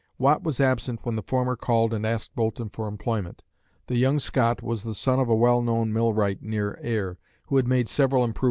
Watt was absent when the former called and asked Boulton for employment. The young Scot was the son of a well known millwright near Ayr who had made several improvements.